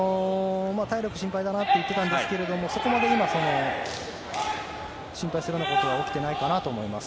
体力心配だなと言っていたんですが、そこまで心配するようなことは起きていないかなと思います。